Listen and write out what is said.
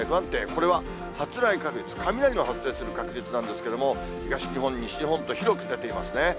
これは発雷確率、雷の発生する確率なんですけれども、東日本、西日本と広く出ていますね。